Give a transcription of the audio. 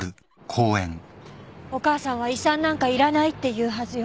お母さんは遺産なんかいらないって言うはずよ